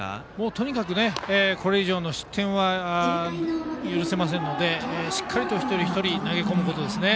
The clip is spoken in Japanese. とにかくこれ以上の失点は許せませんのでしっかり一人一人に投げ込むことですね。